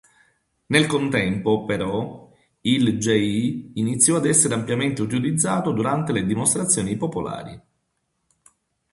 Nel contempo, però, il "Ji" iniziò ad essere ampiamente utilizzato durante le dimostrazioni popolari.